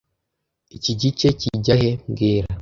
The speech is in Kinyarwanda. Iki gice kijya he mbwira